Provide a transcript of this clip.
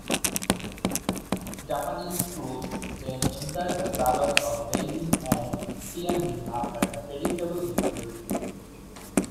Japanese troops then entered the suburbs of Beijing and Tianjin after the predictable victory.